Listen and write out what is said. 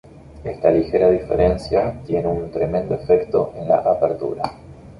Esta ligera diferencia tiene un tremendo efecto en la apertura.